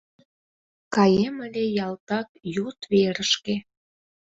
Каем ыле ялтак йот верышке